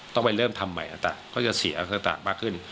ต้องไปเริ่มทำใหม่อาตะก็จะเสียอคตะมากขึ้น